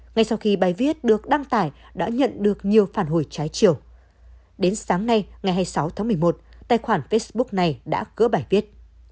ngay sau khi bài viết được đăng tải đã nhận được nhiều phản hồi trái chiều đến sáng nay ngày hai mươi sáu tháng một mươi một tài khoản facebook này đã cỡ bài viết